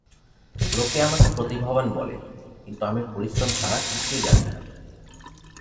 লোকে আমাকে প্রতিভাবান বলে, কিন্তু আমি পরিশ্রম ছাড়া কিছুই জানিনা।